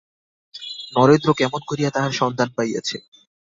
নরেন্দ্র কেমন করিয়া তাহার সন্ধান পাইয়াছে।